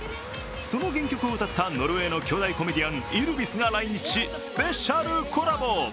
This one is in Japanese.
その原曲を歌った、ノルウェーの兄弟コンビ、イルヴィスが来日しスペシャルコラボ。